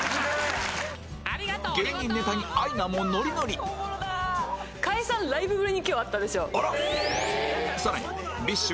芸人ネタにアイナもノリノリ解散ライブぶりに今日会ったんですよ。